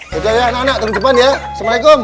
yaudah ya anak anak terima kasih ya assalamualaikum